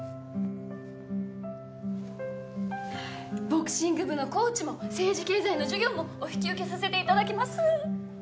ボクシング部のコーチも政治経済の授業もお引き受けさせて頂きます。